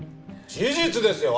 事実ですよ！